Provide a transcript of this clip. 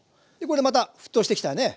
これでまた沸騰してきたよね。